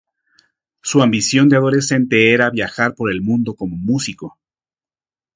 Su ambición de adolescente era viajar por el mundo como músico.